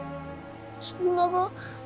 そんなが。